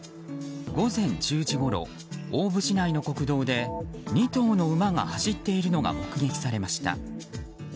午前１０時ごろ大府市内の国道で２頭の馬が走っているのが目撃されました。